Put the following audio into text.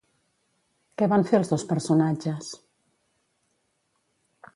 Què van fer els dos personatges?